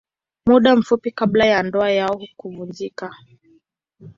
Muda mfupi kabla ya ndoa yao kuvunjika.